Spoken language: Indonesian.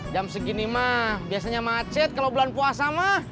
jam segini ma biasanya macet kalau bulan puasa ma